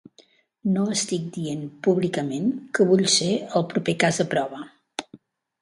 No estic dient públicament que vull ser el proper cas de prova.